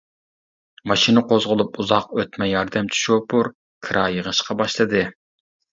ماشىنا قوزغىلىپ ئۇزاق ئۆتمەي ياردەمچى شوپۇر كىرا يىغىشقا باشلىدى.